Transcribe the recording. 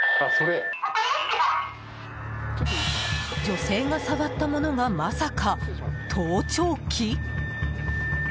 女性が触ったものがまさか、盗聴器？